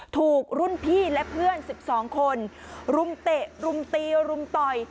ถูกรุ่นพี่และเพื่อน๑๒คนรุมเตะรุมตีรุมต่อย